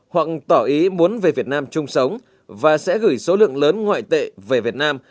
hoặc tỏ ý muốn về việt nam chung sống và sẽ gửi số lượng lớn ngoại tệ về việt nam